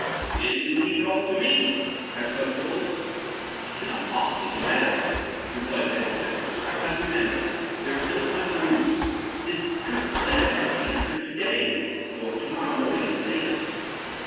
"Will you leave it all to me?" asked Dunstable. "I cannot possibly do better," replied Egerton. "But remember—there is no time to lose. This cursed letter must be answered to day, or to morrow morning at latest."